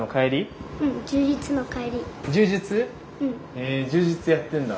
へえ柔術やってるんだ。